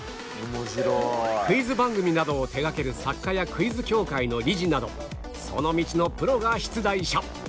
クイズ番組などを手がける作家やクイズ協会の理事などその道のプロが出題者